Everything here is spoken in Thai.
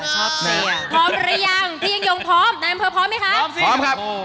พร้อมหรือยังพี่ยังยงพร้อมนายอำเภอพร้อมไหมครับ